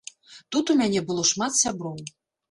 Тут у мяне было шмат сяброў.